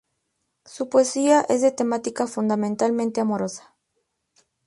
Su poesía es de temática fundamentalmente amorosa.